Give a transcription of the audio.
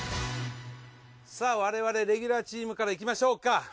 さあ我々レギュラーチームからいきましょうか。